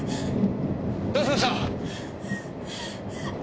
どうしました！？